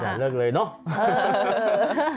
อยากเลิกเลยเนอะ